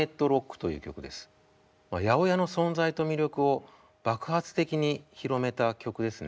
８０８の存在と魅力を爆発的に広めた曲ですね。